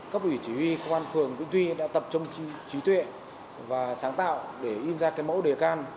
cấp ủy chỉ huy công an phường quỹ tuy đã tập trung trí tuệ và sáng tạo để in ra cái mẫu đề can